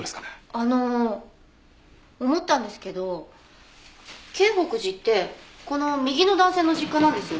あの思ったんですけど京北寺ってこの右の男性の実家なんですよね？